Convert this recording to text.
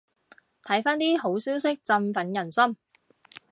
睇返啲好消息振奮人心